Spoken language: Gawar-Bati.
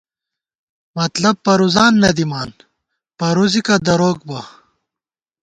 مطلب پروزان نہ دِمان ، پروزِکہ دروک بہ